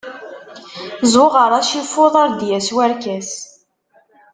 Zzuɣer acifuḍ, ar d-yas-warkas.